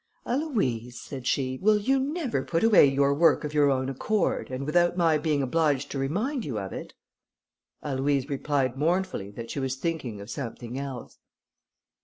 "Aloïse," said she, "will you never put away your work of your own accord, and without my being obliged to remind you of it?" Aloïse replied mournfully that she was thinking of something else.